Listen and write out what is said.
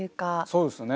そうですよね。